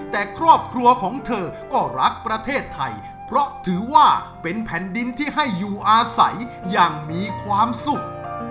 แต่ครอบครัวของเธอก็รักประเทศไทยเพราะถือว่าเป็นแผ่นดินที่ให้อยู่อาศัยอย่างมีความสุข